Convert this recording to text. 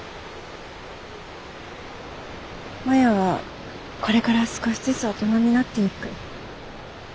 マヤはこれから少しずつ大人になっていく。